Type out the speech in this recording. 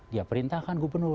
dia perintahkan gubernur